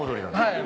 はい。